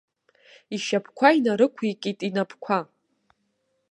Ишьапқәа инарықәикит инапқәа.